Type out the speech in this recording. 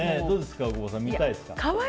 どうですか、大久保さん見たいですか？